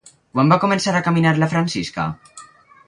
Quan va començar a caminar la Francisca?